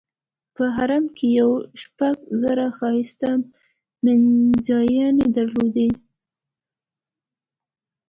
په حرم کې یې شپږ زره ښایسته مینځیاني درلودې.